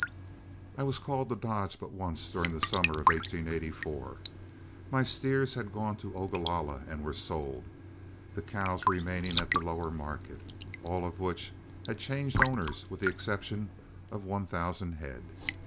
I was called to Dodge but once during the summer of 1884. My steers had gone to Ogalalla and were sold, the cows remaining at the lower market, all of which had changed owners with the exception of one thousand head.